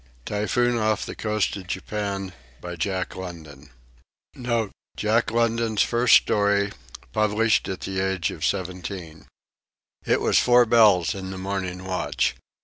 TYPHOON OFF THE COAST OF JAPAN [Jack London's first story, published at the age of seventeen] It was four bells in the morning watch.